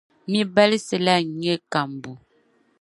Mi’ balisi la n-nyɛ kambu.